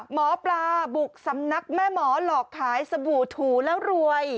หมอปลาบุกสำนักแม่หมอหลอกขายสบู่ถูแล้วรวย